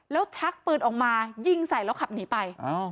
แล้วชักปืนออกมายิงใส่แล้วขับหนีไป